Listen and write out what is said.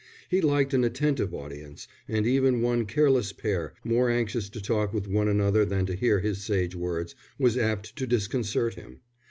He liked an attentive audience; and even one careless pair, more anxious to talk with one another than to hear his sage words, was apt to disconcert him.